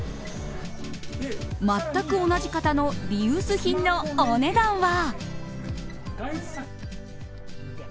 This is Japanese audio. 全く同じ型のリユース品のお値段は？